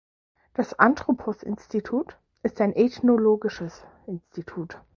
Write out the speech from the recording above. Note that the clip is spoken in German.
Das Anthropos-Institut ist ein ethnologisches Institut.